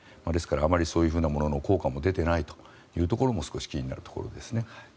ですから、あまりそういうものの効果も出ていないところも少し気になるところですね。